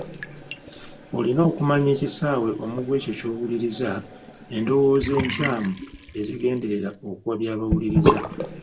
Olina okumanya ekisaawe omugwa ekyo ky’owuliriza, endowooza enkyamu ezigenderera okuwabya abawuluriza.